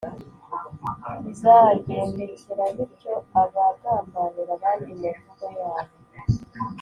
Bizagendekera bityo abagambanira abandi mu mvugo yabo,